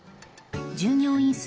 従業員数